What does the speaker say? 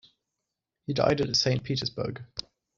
He died at Saint Petersburg.